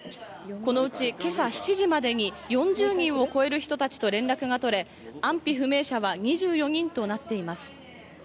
このうち今朝７時までに４０人を超える人たちと連絡が取れ、安否不明者は２４人となっています。